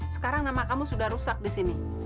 sekarang nama kamu sudah rusak di sini